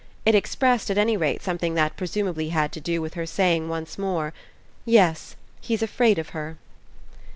It expressed at any rate something that presumably had to do with her saying once more: "Yes. He's afraid of her."